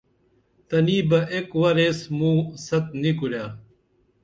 تنی بہ ایک ور ایس موں ست نی کُرے